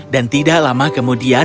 dan tidak lama kemudian dia berpikir